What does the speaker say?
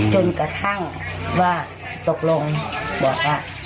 จนกระทั่งว่าตกลงบอกว่า